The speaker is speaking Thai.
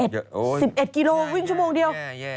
๑๑กิโลวิ่งชั่วโมงเดียว